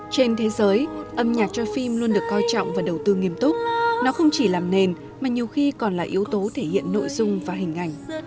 trên thế giới âm nhạc cho phim luôn được coi trọng và đầu tư nghiêm túc nó không chỉ làm nền mà nhiều khi còn là yếu tố thể hiện nội dung và hình ảnh